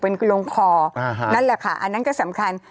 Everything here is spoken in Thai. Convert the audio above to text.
เป็นลงคอนั่นแหละค่ะอันนั้นก็สำคัญ